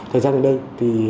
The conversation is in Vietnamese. thời gian đến đây thì